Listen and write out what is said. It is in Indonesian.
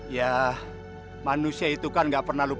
ya manusia itu kan nggak pernah berbicara